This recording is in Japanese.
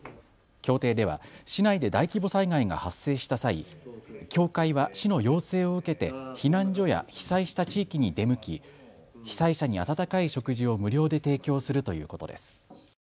協定では市内で大規模災害が発生した際、協会は市の要請を受けて避難所や被災した地域に出向き被災者に温かい食事を無料で提供するということです。